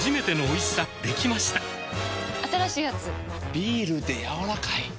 ビールでやわらかい。